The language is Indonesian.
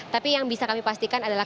tapi yang bisa kami pastikan adalah